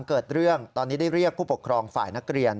เกิดเรื่องตอนนี้ได้เรียกผู้ปกครองฝ่ายนักเรียน